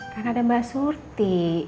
kan ada mbak surti